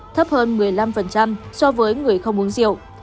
thấp hơn một mươi năm so với người không uống rượu